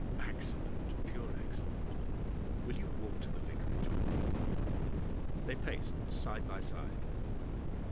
'Accident, pure accident. Will you walk to the vicarage with me?' They paced side by side.